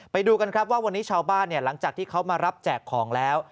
ไปดูกันครับว่าวันนี้ชาวบ้านหลังจากที่เขามารับแจกของแล้ว